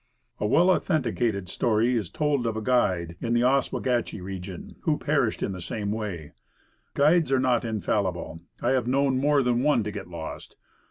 A well authenticated story is told of a guide in the Oswegatchie region, who perished in the same way. Guides are not infallible; I have known more than one to get lost.